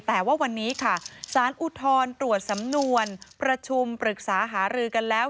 แต่ว่าวันนี้ค่ะสารอุทธรณ์ตรวจสำนวนประชุมปรึกษาหารือกันแล้ว